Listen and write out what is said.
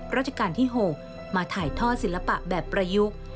ราชการที่๖มาถ่ายทอดศิลปะแบบประยุกต์